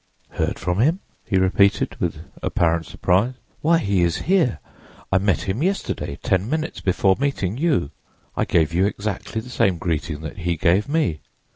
"'Heard from him!' he repeated, with apparent surprise. 'Why, he is here. I met him yesterday ten minutes before meeting you. I gave you exactly the same greeting that he gave me.